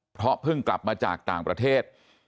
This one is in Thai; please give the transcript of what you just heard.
เพราะเพิ่งกลับมาจากต่างประเทศ